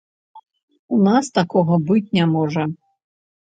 У нас такога быць не можа!